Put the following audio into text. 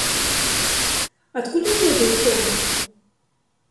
Адкуль я ведаю, хто вы?